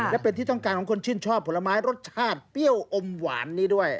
และเป็นที่ต้องการของคนชื่นชอบผลไม้รสชาติเปรี้ยวอมหวานนี้ด้วย